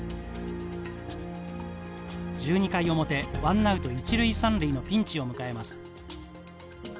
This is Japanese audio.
１２回表ワンナウト一塁三塁のピンチを迎えます。